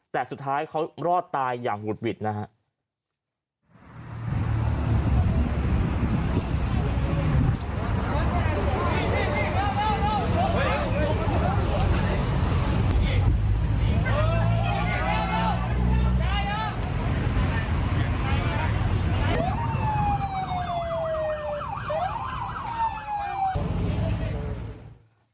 แต่สุดท้ายเขารอดตายอย่างหุดหวิดนะครับ